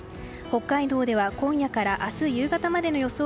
北海道では今夜から明日夕方までの予想